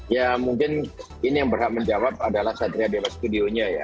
ya mungkin ini yang berhak menjawab adalah satria dewa studionya ya